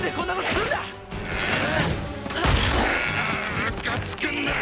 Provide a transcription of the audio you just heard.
むかつくんだよ！